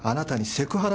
セクハラ？